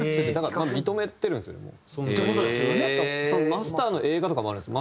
マスターの映画とかもあるんですよ。